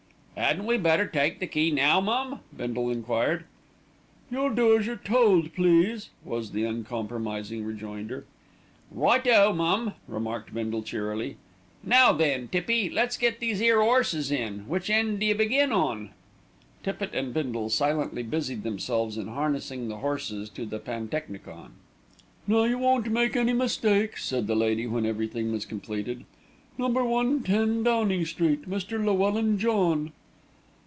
"'Adn't we better take the key now, mum?" Bindle enquired. "You'll do as you're told, please," was the uncompromising rejoinder. "Right o! mum," remarked Bindle cheerily. "Now then, Tippy, let's get these 'ere 'orses in. Which end d'you begin on?" Tippitt and Bindle silently busied themselves in harnessing the horses to the pantechnicon. "Now you won't make any mistake," said the lady when everything was completed. "Number 110, Downing Street, Mr. Llewellyn John."